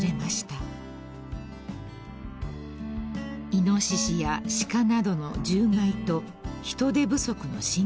［イノシシや鹿などの獣害と人手不足の深刻化］